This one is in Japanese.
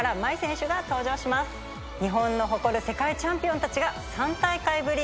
日本の誇る世界チャンピオンたちが３大会ぶり